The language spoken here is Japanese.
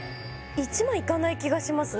１万いかない気がしますね